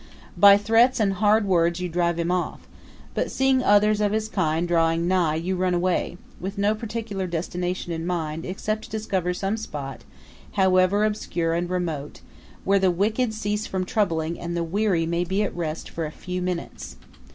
By threats and hard words you drive him off; but seeing others of his kind drawing nigh you run away, with no particular destination in mind except to discover some spot, however obscure and remote, where the wicked cease from troubling and the weary may be at rest for a few minutes.